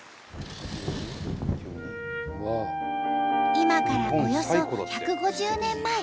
今からおよそ１５０年前。